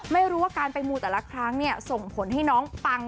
ไม่รู้ว่าการไปมูแต่ละครั้งเนี่ยส่งผลให้น้องปัง